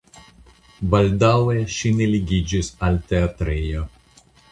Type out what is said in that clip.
Baldaŭe ŝi ne ligiĝis al teatrejo.